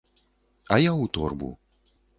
А я ў торбу.